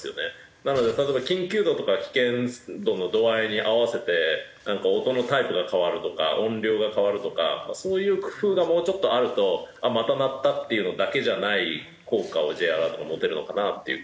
なので例えば緊急度とか危険度の度合いに合わせて音のタイプが変わるとか音量が変わるとかそういう工夫がもうちょっとあるとあっまた鳴ったっていうのだけじゃない効果をＪアラートが持てるのかなっていう気はします。